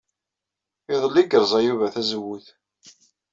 Iḍelli ay yerẓa Yuba tazewwut.